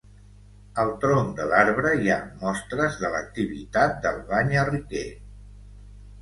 Al tronc de l'arbre hi ha mostres de l'activitat del banyarriquer.